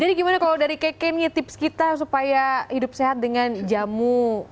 jadi gimana kalau dari keke nih tips kita supaya hidup sehat dengan jamu